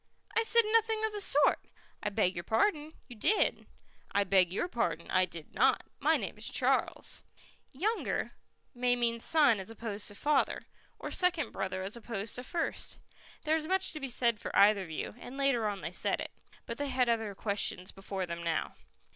"I said nothing of the sort." "I beg your pardon, you did." "I beg your pardon, I did not. My name is Charles." "Younger" may mean son as opposed to father, or second brother as opposed to first. There is much to be said for either view, and later on they said it. But they had other questions before them now.